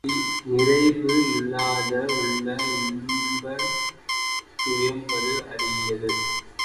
நிறைவு இல்லாத உள்ளம் இன்பம் துய்ப்பது அரிது